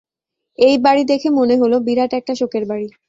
এই বাড়ি দেখে মনে হল বিরাট একটা শোকের বাড়ি।